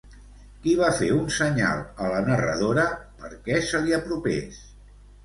Qui va fer un senyal a la narradora perquè se li apropés?